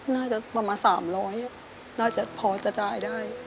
น่าจะประมาณ๓๐๐น่าจะพอจะจ่ายได้